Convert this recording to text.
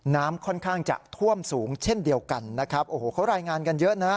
น้ำค่อนข้างจะท่วมสูงเช่นเดียวกันนะครับโอ้โหเขารายงานกันเยอะนะ